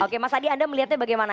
oke mas adi anda melihatnya bagaimana